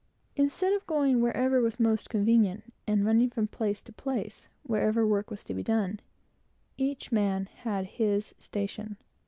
Instead of going wherever was most convenient, and running from place to place, wherever work was to be done, each man had his station.